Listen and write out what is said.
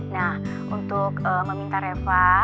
nah untuk meminta reva